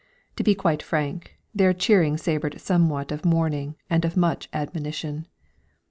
To be quite frank, their cheering savoured somewhat of mourning and much of admonition.